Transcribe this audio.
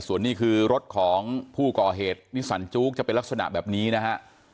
ส่วนนี้คือรถของผู้ก่อเหตุนิสันจุ๊กจะเป็นลักษณะแบบนี้นะฮะ